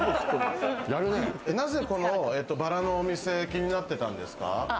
なぜこのバラのお店気になってたんですか？